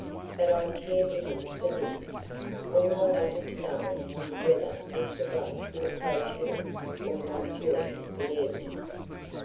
But I cared little for this; all I wanted to know was whether Mr. Blake would approach her or not during the evening.